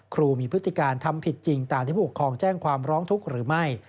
ครูมีพฤติการทำผิดจริงตามที่ผู้ปกครองแจ้งความร้องทุกข์หรือไม่